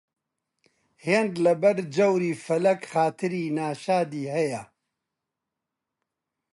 هێند لەبەر جەوری فەلەک خاتری ناشادی هەیە